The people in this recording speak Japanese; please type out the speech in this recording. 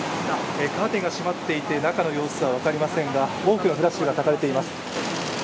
カーテンが閉まっていて中の様子は分かりませんが多くのフラッシュがたかれています。